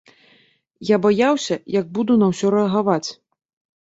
Я баяўся, як буду на ўсё рэагаваць.